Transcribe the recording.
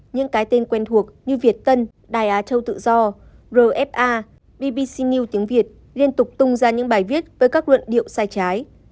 những cái tên quen thuộc như việt tân đài á châu tự do rfa bbc new tiếng việt liên tục tung ra những bài viết với các luận điệu sai trái